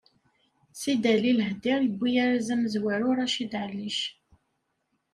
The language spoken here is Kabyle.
Sidali Lahdir yewwi arraz amezwaru Racid Ɛellic.